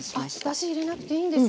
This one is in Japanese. だし入れなくていいんですね。